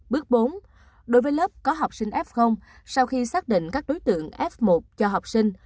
bước bốn đối với lớp có học sinh f sau khi xác định các đối tượng f một cho học sinh